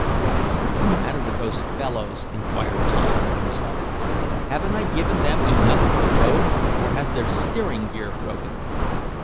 "What's the matter with those fellows!" inquired Tom of himself. "Haven't I given them enough of the road, or has their steering gear broken?"